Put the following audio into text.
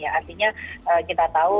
artinya kita tahu